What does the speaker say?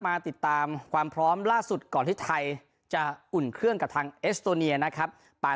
มาติดตามความพร้อมล่าสุดก่อนที่ไทยจะอุ่นเครื่องกับทางเอสโตเนียนะครับ